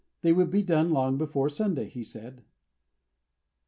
They would be done long before Sunday, he said.